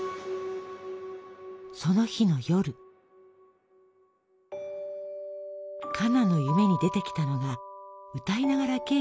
その日の夜カナの夢に出てきたのが歌いながらケーキを作るアルベール。